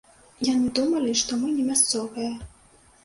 Яны думалі, што мы не мясцовыя!